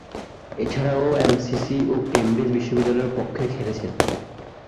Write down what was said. এছাড়াও, এমসিসি ও কেমব্রিজ বিশ্ববিদ্যালয়ের পক্ষে খেলেছেন।